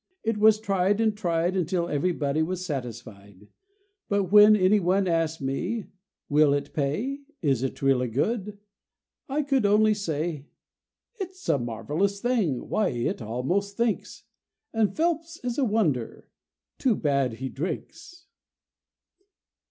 It was tried and tried, Until everybody was satisfied. But when any one asked me[A]: "Will it pay?" "Is it really good?" I[A] could only say: "It's a marvelous thing! Why, it almost thinks! And Phelps is a wonder too bad he drinks!"